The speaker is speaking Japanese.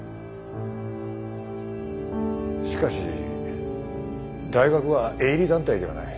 しかし大学は営利団体ではない。